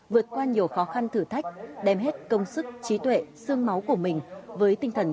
vượt qua nhiều khó khăn thử thách đem hết công sức trí tuệ sương máu của mình với tinh thần